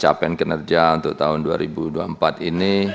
capaian kinerja untuk tahun dua ribu dua puluh empat ini